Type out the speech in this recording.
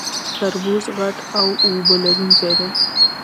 تربوز غټ او اوبه لرونکی دی